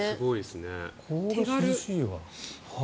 これ、涼しいわ。